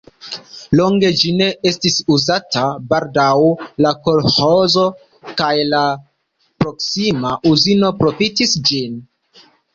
Longe ĝi ne estis uzata, baldaŭ la kolĥozo kaj la proksima uzino profitis ĝin.